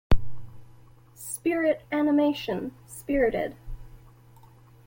Spirit animation Spirited.